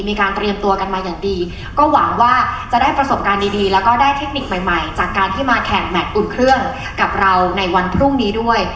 มีการเตรียมตัวกันมาอย่างดีก็หวังว่าจะได้ประสบการณ์ดีแล้วก็ได้เทคนิคใหม่ใหม่จากการที่มาแข่งแมทอุ่นเครื่องกับเราในวันพรุ่งนี้ด้วย